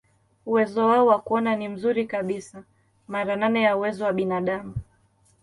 Uwezo wao wa kuona ni mzuri kabisa, mara nane ya uwezo wa binadamu.